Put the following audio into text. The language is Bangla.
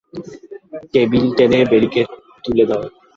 কেবিল টেনে ব্যারিকেড তুলে দাও।